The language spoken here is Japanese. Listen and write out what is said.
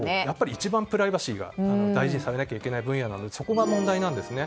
一番プライバシーが大事にされなければならない分野なのでそこが問題なんですね。